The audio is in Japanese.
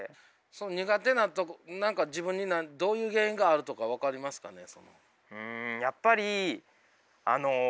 その苦手なとこ自分にどういう原因があるとか分かりますかね？